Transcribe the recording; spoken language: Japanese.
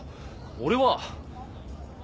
俺は。